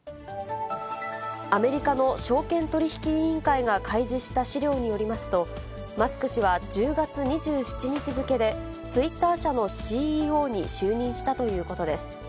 アメリカの証券取引委員会が開示した資料によりますと、マスク氏は１０月２７日付でツイッター社のＣＥＯに就任したということです。